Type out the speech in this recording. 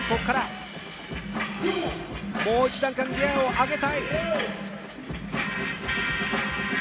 もう一段階ギヤを上げたい。